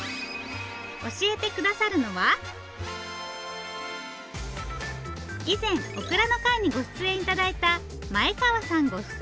教えて下さるのは以前オクラの回にご出演頂いた前川さんご夫妻。